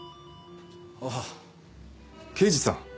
ああ刑事さん。